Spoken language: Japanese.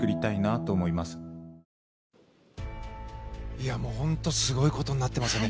いやもう本当にすごいことになっていますね。